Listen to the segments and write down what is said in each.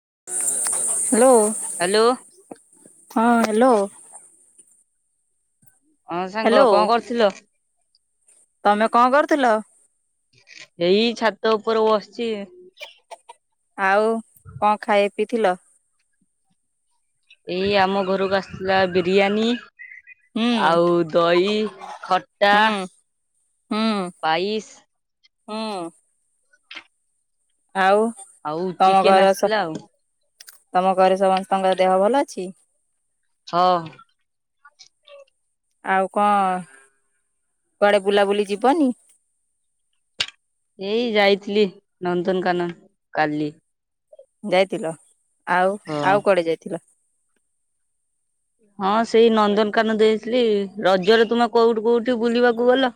Hello hello ହଁ hello. ହଁ ସାଙ୍ଗ କଁ କରୁଥିଲ। ତମେ କଁ କରୁଥିଲ। ଏଇ ଛାତ ଉପରେ ବସ ଆଉ କଁ ଖାଇ ପିଇଥିଲ। ଏଇ ଆମ ଘରକୁ ଆସିଥିଲା ବିରିୟାନୀ ହୁଁ ଆଉ ଦହି ଖଟା। ହୁଁ ହୁଁ ପାଇସ୍ ହୁଁ। ଆଉ ଆଉ ତମ ଚିକେନ ଘର ସ ଆସିଥିଲା ଆଉ ତମ ଘରେ ସମସ୍ତଙ୍କର ଦେହ ଭଲ ଅଛି। ହଁ। ଆଉ କଁ କୁଆଡ଼େ ବୁଲାବୁଲି ଯିବନି। ଏଇ ଯାଇଥିଲି ନନ୍ଦନକାନନ କାଲି। ଯାଇଥିଲ ଆଉ ହଁ ଆଉ କୁଆଡେ ଯାଇଥିଲ। ହଁ ସେଇ ନନ୍ଦନକାନନ ଦେଇଥିଲି ରଜରେ ତୁମ କୋଉଠୁ କୋଉ ଟି ବୁଲିବାକୁ ଗଲ।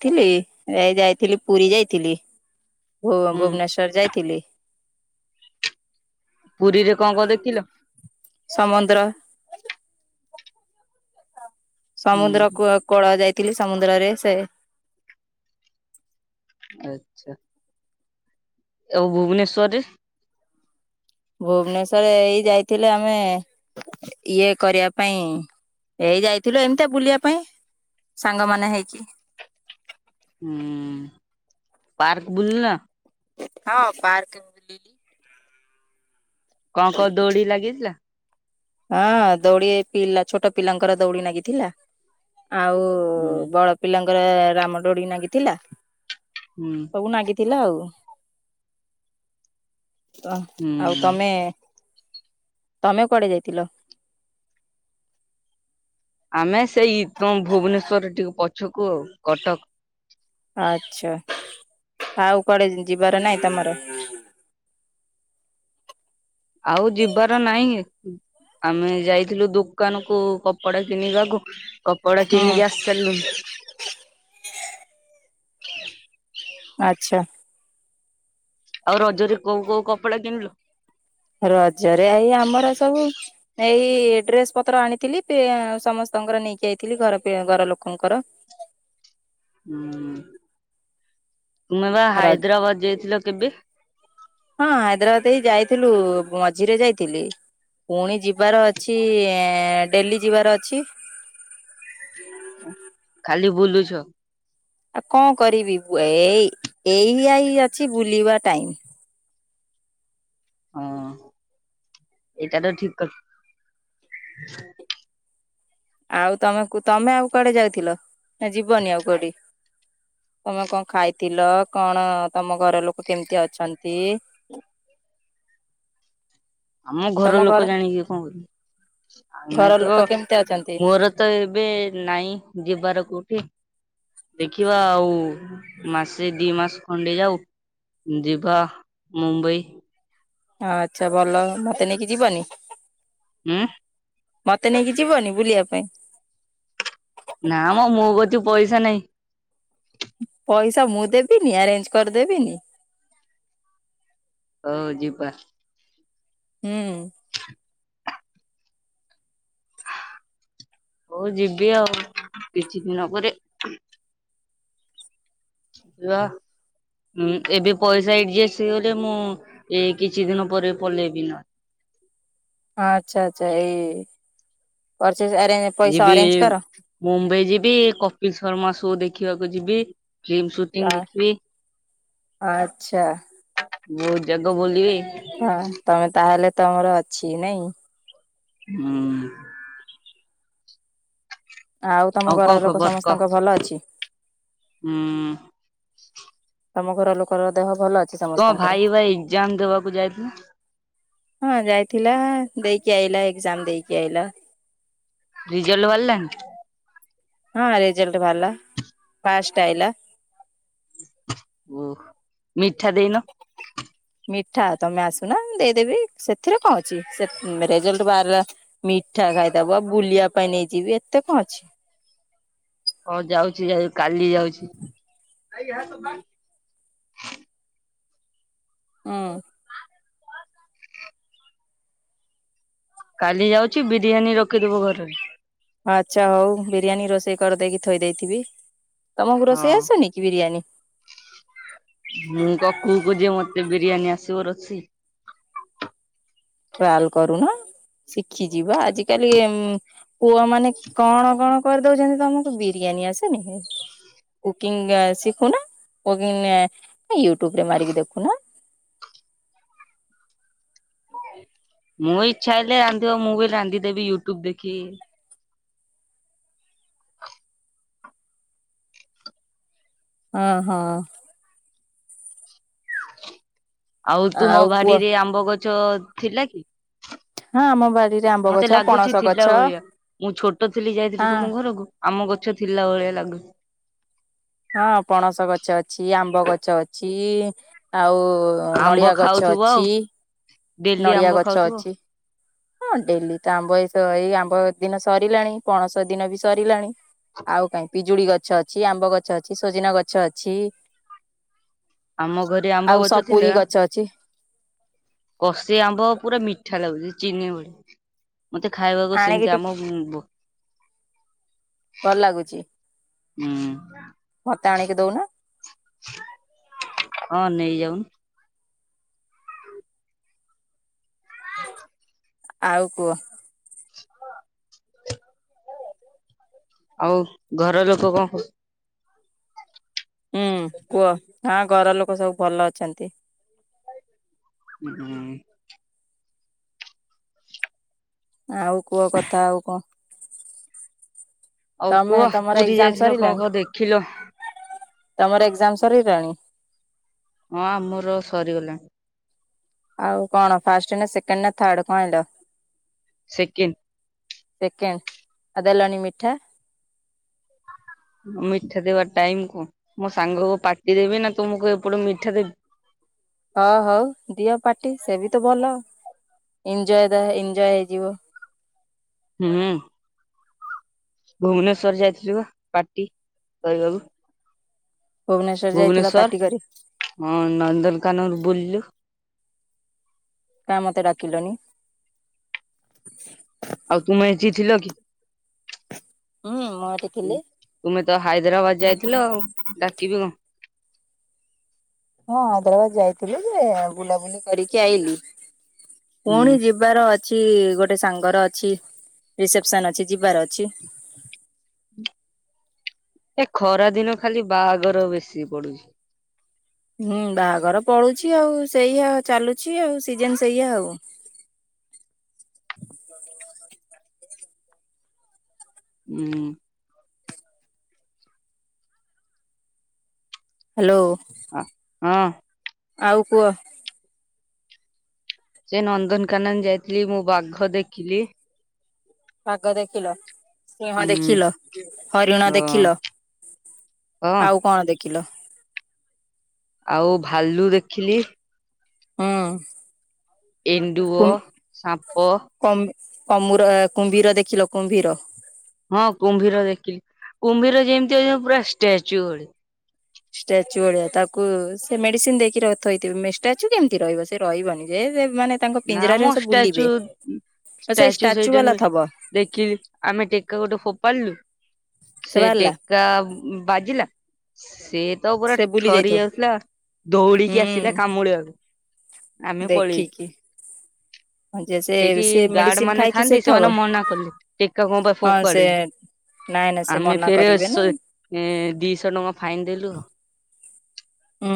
ଥିଲି ଏ ଯାଇଥିଲି ପୁରୀ ଯାଇଥିଲି ଭୁ ହୁଁ ଭୁବନେଶ୍ଵର ଯାଇଥିଲି। ପୁରୀରେ କଁ କଁ ଦେଖିଲ। ସମୁଦ୍ର ହୁଁ ସମୁଦ୍ର କୁଅ କୋଳ ଯାଇଥିଲି ସମୁଦ୍ରରେ ସେ ଆଚ୍ଛା। ଆଉ ଭୁବନେଶ୍ଵର ରେ ଭୁବନେଶ୍ଵରରେ ଏଇ ଯାଇଥିଲେ ଆମେ ଇଏ କରିବା ପାଇଁ ଏଇ ଯାଇଥିଲୁ ଏମିତିଆ ବୁଲିବା ପାଇଁ। ସାଙ୍ଗମାନେ ହେଇକି। ହୁଁ ପାର୍କ ବୁଲ ନ ହଁ ପାର୍କ ବି ବୁଲିଲି। କଁ କଁ ଦୌଡି ଲାଗିଥିଲା। ହଁ ଦୌଡି ପିଲା ଛୋଟୋ ପିଲାଙ୍କର ଦୌଡି ନାଗିଥିଲା। ଆଉ ହୁଁ ବଡ ପିଲାଙ୍କର ରାମଦୋଡି ନାଗିଥିଲା। ହୁଁ। ଥିଲା ଆଉ ତ ଆଉ ହୁଁ ତମେ ତମେ କୁଆଡେ ଯାଇଥିଲ। ଆମେ ସେଇ ତୁମ ଭୁବନେଶ୍ଵରରେ ଟିକେ ପଛୁକୁ ଆଉ କଟକ ଆଚ୍ଛା ଆଉ କୁଆଡ଼େ ଯିବାର ନାଇଁ ତମର। [inaudible] ଆଉ ଯିବାର ନାଇଁ ଏ। ଆମେ ଯାଇଥିଲୁ ଦୁକାନ କୁ କପଡା କିଣିବାକୁ। କପଡା ହୁଁ କିଣିକି ଆସି ସାରିଲୁଣୁ। ଆଚ୍ଛା। ଆଉ ରଜରେ କୋଉ କୋଉ କପଡା କିଣିଲ। ରଜରେ ଏଇ ଆମର ସବୁ ଏଇ ଡ୍ରେସ ପତ୍ର ଆଣିଥିଲି ପେ ସମସ୍ତଙ୍କର ନେଇକି ଯାଇଥିଲି ଘର ପେ ଘର ଲୋକଙ୍କର [inaudible] ହଁ ତମେବା ରଜ ହାଇଦ୍ରାବାଦ ଯାଇଥିଲ କେବେ? ହଁ ହାଇଦ୍ରାବାଦ ହେଇ ଯାଇଥିଲୁ ମଝିରେ ଯାଇଥିଲି। ପୁଣି ଯିବାର ଅଛି ଏ ଡେଲି ଯିବାର ଅଛି। ଖାଲି ବୁଲୁଛ। ଆଉ କଣ କରିବି ଏଇ ଏଇନିଆ ଅଛି ବୁଲିବା ଟାଇମ। ହଁ ଏଇଟା ତ ଠିକ କଥା। ଆଉ ତମେ ତମେ ଆଉ କୁଆଡେ ଯାଇଥିଲ ନା ଯିବନି ଆଉ କୋଉଠି? ତମେ କଣ ଖାଇଥିଲ କଣ ତମ ଘର ଲୋକ କେମିତି ଅଛନ୍ତି। [inaudible] ଆମ ଘର ଲୋକ ଜାଣିକି କଣ କରିବ। ଆମେ ଘର ଲୋକ ତ କେମିତି ଅଛନ୍ତି? ମୋର ତ ଏବେ ନାଇଁ ଯିବାର କୋଉଠି। ଦେଖିବା ଆଉ ମାସେ ଦି ମାସ ଖଣ୍ଡେ ଯାଉ। ଯିବା ମୁମ୍ବାଇ। ହ ଆଚ୍ଛା ଭଲ ମତେ ନେଇକି ଯିବନି? ହମ୍ଁ। ମତେ ନେଇକି ଯିବନି ବୁଲିବା ପାଇଁ। ନା ମ ମୋ କତି ପଇସା ନାହିଁ। ପଇସା ମୁଁ ଦେବିନି ଆରେଞ୍ଜ କରି ଦେବିନି। ହଉ ଯିବା। ହୁଁ। ହଉ ଯିବି ଆଉ କିଛି ଦିନ ପରେ [unintelligible] ହଁ ଏବେ ପଇସା ଏଡଜଷ୍ଟ ହେଇଗଲେ ମୁଁ ଯାଇ କିଛି ଦିନ ପରେ ପଲେଇବି ନା ଅଚ୍ଛା ଆଚ୍ଛା ଏଇ ରେ ପଇସା ଅରେଞ୍ଜ କର। ଏବେ କପିଲ ଶର୍ମା ସୋ ଦେଖିବାକୁ ଯିବି। ଫିଲ୍ମ ସୁଟିଂ ଦେଖିବି ଆଚ୍ଛା ବହୁତ ଜାଗ ବୁଲିବି। ହଁ ତମେ ତାହେଲେ ତମର ଅଛି ନାଇଁ। ହଁ। ତମ ଆଉ ଘର କଣ ଲୋକ ଖବର କହ ସମସ୍ତଙ୍କ ଭଲ ଅଛି? ହୁଁ। ତମ ଘର ଲୋକର ଦେହ। ଭଲ ଅଛି ତମ ସମସ୍ତଙ୍କର? ଭାଇ ଭାଇ ଇଜାମ ଦେବାକୁ ଯାଇଥିଲ। ହଁ ଯାଇଥିଲା ଦେଇକି ଆଇଲା ଏକଜାମ ଦେଇକି ଆଇଲା। ରିଜଲଟ ବାଲିଲାଣି? ହଁ ରେଜଲ୍ଟ ବାହାରିଲା ପାଷ୍ଟ ଆଇଲା। ଓ ମିଠା ଦେଇନ? [unintelligible] ମିଠା ତମେ ଆସୁନା ଦେଇଦେବି ସେଥିରେ କଣ ଅଛି ସେ ରେଜଲ୍ଟ ବା ମିଠା ଖାଇଦବ ବୁଲିବା ପାଇଁ ନେଇଯିବି ଏତେ କଣ ଅଛି। ହଁ ଯାଉଛି ଯାଉ କାଲି ଯାଉଛି। ହୁଁ। କାଲି ଯାଉଛି ବିରିୟାନୀ ରଖିଦବୁ ଘରେ। ଆଚ୍ଛା ହଉ ବିରିୟାନୀ ରୋଷେଇ କରିଦେଇକି ଥୋଇ ଦେଇଥିବି। ତମକୁ ହଁ ରୋଷେଇ ଆସନିକି ବିରିୟାନୀ? ମୁଁ କ କୁକ ଯେ ମତେ ବିରିୟାନୀ ଆସିବ ରୋଷେଇ। ଟ୍ରାଲ କରୁନ। ଶିଖିଯିବା ଆଜିକାଲି ଉଁ ପୁଅମାନେ କଣ କଣ କରିଦଉଛନ୍ତି ତମକୁ ବିରିୟାନୀ ଏନି ଆସିନିକି କୁକିଂ ଶିକୁନା। ୟୁଟ୍ୟୁବ ରେ ମାରିକି ଦେଖୁନା। ମୁଁ ଇଛା ହେଲେ ଜାଣିଥିବ ମୁଁ ବି ରାନ୍ଧିଦେବି ୟୁଟ୍ୟୁବ ଦେଖିକି। ହଁ ହଁ। ଆଉ ତୁମ ବାଡିରେ ଆମ୍ବ ଗଛ ଥିଲା କି? ହଁ ଆମ ବାଡିରେ ଆ ମତେ ଲାଗୁଛି ଥିଲା ଭଳିଆ ମୁଁ ଛୋଟ ଥିଲି ଯାଇଥିଲି ହଁ ତୁମ ଘରକୁ ଆମ ଗଛ ଥିଲା ଭଳିଆ ଲାଗୁଛି। ହଁ ପଣସ ଗଛ ଅଛି ଆମ୍ବ ଗଛ ଅଛି ଆଉ ଆମ୍ବ ନଡିଆ ଗଛ ଖାଉଥିବ ଆଉ ଅଛି ଡେଲି ନଡିଆ ଆମ୍ବ ଗଛ ଖାଉଥିବ। ଅଛି। ହଁ ଡେଲି ତ ଆମ୍ବ ଏ ଏଇ ଆମ୍ବ ଦିନ ସରିଲାଣି ପଣସ ଦିନ ବି ସରିଲାଣି। ଆଉ କାଇଁ ପିଜୁଳି ଗଛ ଅଛି ଆମ୍ବ ଗଛ ଅଛି ସଜନା ଗଛ ଅଛି। ଆମ ଘରେ ଆମ୍ବ ଆଉ ଗଛ ସପୁରୀ ଥିଲା ଗଛ ଅଛି କଷି ଆମ୍ବ ପୁରା ମିଠା ଲାଗୁଛି। ଚିନି ଭଳି ମତେ ଖାଇବାକୁ ଆଣିକି ସେମିତି ଟିକେ ଆମ ଭଲ ଲାଗୁଛି ଉଁ ମତେ ଆଣିକି ଦଉନା। ହଁ ନେଇ ଯାଉନୁ। ହଁ [inaudible] ଆଉ କୁଅ? ଆଉ ଘର ଲୋକ କଣ କହୁ ହୁଁ କୁହ ହଁ ଘର ଲୋକ ସବୁ ଭଲ ଅଛନ୍ତି। ହୁଁ। ଆଉ କୁହ କଥା ଆଉ କଣ? ଆଉ ତମେ କୁହ ତମର ପୁରୀ ଏକ୍ଜାମ ଯାଇଥିଲ ସରିଲାଣି କଣ କଣ ଦେଖିଲ? ତମର ଏକ୍ଜାମ ସରିଗଲାଣି? ହଁ ଆମର ସରିଗଲାଣି। ଆଉ କଣ ଫାଷ୍ଟ ନା ସେକେଣ୍ଡ ନା ଥାଡ କଣ ଆଇଁଲ? ସେକେନ୍। ସେକେଣ୍ଡ ଆ ଦେଲନି ମିଠା। ମିଠା ଦେବାର ଟାଇମ କୁହ ମୋ ସାଙ୍ଗକୁ ପାଟି ଦେବି ନା ତୁମକୁ ଏପଟେ ମିଠା ଦେବି। ହଁ ହଉ ଦିଅ ପାଟି ସେ ବି ତ ଭଲ ଏଞଜୟ ଏଞଜୟ ହେଇଯିବ। ହୁଁ। ଭୁବନେଶ୍ଵର ଯାଇଥିଲି ବା ପାଟି କହିବାକୁ। ଭୁବନେଶ୍ଵର ଯାଇଥିଲ ଭୁବନେଶ୍ଵର ପାର୍ଟି କରି ହଁ ନନ୍ଦନକାନନ ବୁଲିଲୁ। କାଇଁ ମତେ ଡାକିଲନି। କି ଥିଲ କି? ହୁଁ ମୁଁ ଏଠି ଥିଲି ତୁମେ ତ ହାଇଦ୍ରାବାଦ ଯାଇଥିଲ ଆଉ ଡାକିବି କଣ। ହଁ ହାଇଦ୍ରାବାଦ ଯାଇଥିଲୁ ଯେ ବୁଲାବୁଲି କରିକି ଆଇଲି। ହୁଁ ପୁଣି ଯିବାର ଅ ଛି ଗୋଟେ ସାଙ୍ଗର ଅଛି ରିସେପସନ ଅଛି ଯିବାର ଅଛି। [inaudible] ଏ ଖରା ଦିନ ଖାଲି ବାହାଘର ବେଶୀ ପଡୁଛି। ହୁଁ ବାହାଘର ପଡୁଛି ଆଉ ସେଇଆ ଚାଲୁଛି ଆଉ ସିଜନ ସେଇଆ ଆଉ। [inaudible] ହୁଁ। ହ୍ୟାଲୋ। ଅ ହଁ। ଆଉ କୁହ। ସେ ନନ୍ଦନକାନନ ଯାଇଥିଲି ମୁଁ ବାଘ ଦେଖିଲି। ବାଗ ଦେଖିଲ? ସିଂହ ହୁଁ ଦେଖିଲ ହରିଣ ହଁ ଦେଖିଲ ହଁ ଆଉ କଣ ଦେ ଖିଲ। ଆଉ ଭାଲୁ ଦେଖିଲି। ହୁଁ। ଏଣ୍ଡୁଅ, ସାପ। ଅମୁର କୁମ୍ଭୀର ଦେଖିଲ କୁମ୍ଭୀର? ହଁ କୁମ୍ଭୀର ଦେଖିଲି କୁମ୍ଭୀର ଯେମତି ଅ ପୁରା ଷ୍ଟେଚୁ ଭଳି। ଷ୍ଟାଚୁ ଭଳିଆ ତାକୁ ସେ ମେଡ଼ିସିନ୍ ଦେଇକିଥୋଇଥିବେ ଷ୍ଟାଚୁ କେମିତି ରହିବ ସେ ରହିବନି ଯେ ମାନେ ତାଙ୍କ ନା ପିଞ୍ଜରାରେ ମ ସେ ଷ୍ଟାଚୁ ବୁଲିବେ। ଆଉ ସେଇ ଷ୍ଟାଚୁ ସେଇଟା ବାଲା ନୁହେଁ। ଥବ ଦେଖିଲି ଆମେ ଟେକା ଗୋଟେ ଫୋପାଡ଼ିଲୁ ସେ ଟେକା ବାଜିଲା? ସେ ତ ପୁରା ସେ ବୁଲି ଥରି ଯାଇଥିବ ଯାଉଥିଲା ଦୌଡି଼କି ଆସିଲା ହୁଁ କାମୁଡି଼ବାକୁ। ଦେଖିକି ଯେ ସେ ସେଇଠି ସେ ଗାର୍ଡ ମେଡିସିନ ମାନେ ଖାଇକି ସେ ଥାଆନ୍ତି ଥବ ସେମାନେ ମନା କଲେ ଟେକା କଣ ପାଇଁ ହଁ ସେ ଫୋପାଡୁ଼ ନାଇଁ ନାଇଁ ସେ ଆମେ ମନା ଫେରେ କରିବେ ନା ଦିଶହ ଟଙ୍କା ଫାଇନ୍ ଦେଲୁ। ହୁଁ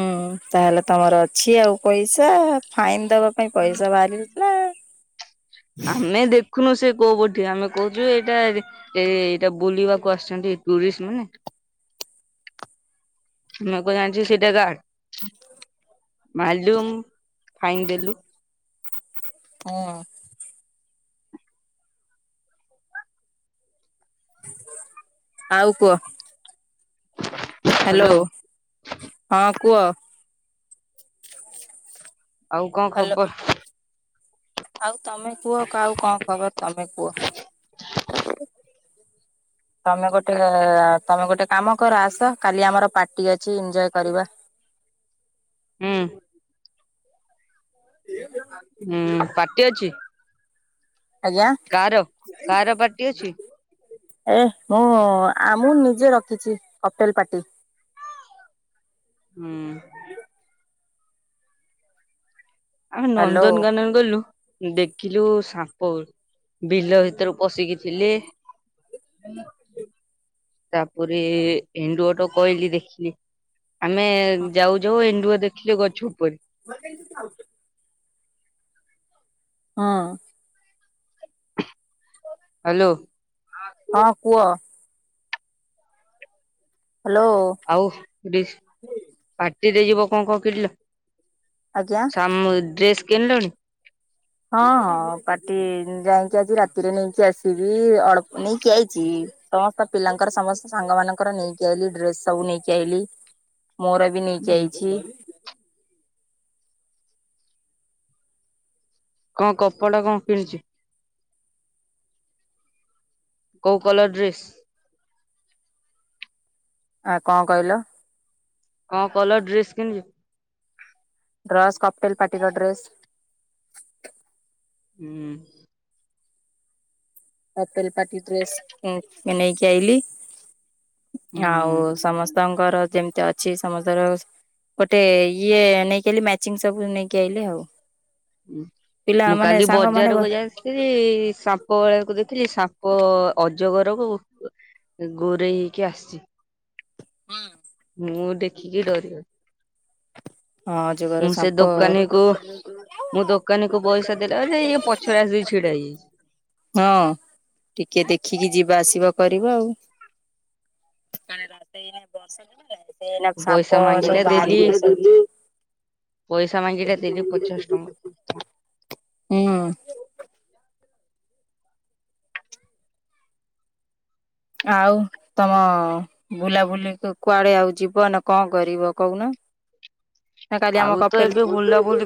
ତାହେଲେ ତମର ଅଛି ଆଉ ପଇସା ଫାଇନ୍ ଦବା ପାଇଁ ପଇସା ବାହାରି ଆମେ ଦେ ଦେଖୁନୁ ସିଏ କୋଉ [unintelligible] ଆମେ କହୁଛୁ ଏଇଟା ଏଇଟା ବୁଲିବାକୁ ଆସିଛନ୍ତି ଟୁରିଷ୍ଟ୍ ମାନେ [inaudible] ମୁଁ କଣ ଜାଣିଛି ସେଇଟା [unintelligible] ହ [unintelligible] ଫାଇନ୍ ଦେଲୁ। ହଁ। ଆଉ କୁହ। ହ୍ୟାଲୋ ହାଲୋ ହଁ କୁହ। ଆଉ କଣ ହ୍ୟାଲୋ ଖବର? ଆଉ ତମେ କୁହ ଆଉ କଣ ଖବର ତମେ କୁହ? ହ ତମେ ଗୋଟେ ତମେ ଗୋଟେ କାମ କର ଆସ କାଲି ଆମର ପାର୍ଟି ଅଛି ଏଞ୍ଜୟ୍ କରିବା। ହ ହୁଁ। ହୁଁ ପାର୍ଟି ଅଛି? ଆଜ୍ଞା କାର କାର ପାର୍ଟି ଅଛି? ଏ ମୁଁ ଆ ମୁଁ ନିଜେ ରଖିଛି ହୋଟେଲ ପାର୍ଟି। ହୁଁ। ଆମେ ହ୍ୟାଲୋ ନନ୍ଦନକାନନ ଗଲୁ। ଦେଖିଲୁ ସାପ ବିଲ ଭିତରୁ ପଶିକି ଥିଲେ। ହୁଁ। ତାପରେ ଏଣ୍ଡୁଅ ଟ କହିଲି ଦେଖିଲି ଆମେ ଯାଉ ଯାଉ ଏଣ୍ଡୁଅ ଦେଖିଲୁ ଗଛ ଉପରେ। ହଁ। ହ୍ୟାଲୋ। ହଁ କୁହ। ହ୍ୟାଲୋ ଆଉ ପାର୍ଟିରେ ଯିବ କଣ କଣ କିଣିଲ? ଆଜ୍ଞା [unintelligible] ଡ୍ରେସ୍ କିଣିଲୁଣି? ହଁ ହଁ ପାର୍ଟି ଯାଇକି ଆଜି ରାତିରେ ନେଇକି ଆସିବି ଅଳ୍ପ ନେଇକି ଆଇଛି ସମସ୍ତ ପିଲାଙ୍କର ସମସ୍ତ ସା ସାଙ୍ଗ ମାନଙ୍କର ନେଇକି ଆଇଲି ଡ୍ରେସ ସବୁ ନେଇକି ଆଇଲି ମୋର ବି ନେଇକି ହୁଁ ଆଇଚି। କଣ କପଡା଼ କଣ କିଣିଛୁ? କୋଉ କଲର ଡ୍ରେସ୍? ଆ କଣ କହିଲ? କଣ କଲର ଡ୍ରେସ୍ କିଣିଲୁ? ଡ୍ରସ କପଟେଲ ପାଟିର ଡ୍ରେସ୍। ହୁଁ ହଲପଟି ଡ୍ରେସ୍ ନେଇେଇକି ଆଇଲି। ଆଉ ହୁଁ ସମସ୍ତଙ୍କର ଯେମିତି ଅଛି ସମସ୍ତର ଗୋଟେ ଇଏ ନେଇକି ଆଇଲି ମ୍ୟାଚିଂ ସବୁ ନେଇକି ଆଇିଲ ଆଉ। ମୁଁ ପିଲାମାନେ କାଲି ସାଙ୍ଗମାନେ ବ ବଜାରକୁ ଯାଇଥିଲି ସାପ ଵାଲାକୁ ଦେଖି ସାପ ଅଜଗରକୁ ଗୁରେଇ ହେଇକି ଆସିଛି। ମୁଁ ଦେଖିକି ଡରିିଗାଲି। ହଁ ଯୋଗର ମୁଁ ସେ ସାପ ଦୋକାନୀକୁ, ମୁଁ ଦୋକାନୀକୁୁ ପଇସା ଦେଲା ବେଳେ ଇଏ ପଛରେ ଆସ ଛିଡା ହେଇଛନ୍ତି ହଁ ଟିକେ ଦେଖିକି ଯିବା ଆସିବା କରିବ ଆଉ ବର୍ଷା। [inaudible] ସେ ଏଇନା ପଇସା ସାପ ସବୁ ମାଗିଲା ଦେଲି ବାହାରିକି ସବୁ ବୁଲୁ ପଇସା ମାଗିଲା ଦେଲି ପଚାଶ ଟଙ୍କା ହୁଁ। [inaudible] ଆଉ ତମ ବୁଲାବୁଲି କୁଆଡେ ଆଉ ଯିବ ନା କଣ କରିବ କହୁନ? ନା କାଲି ଆଉ ଆମ ତ କପେ ଏବେ ବୁଲାବୁଲି ଲ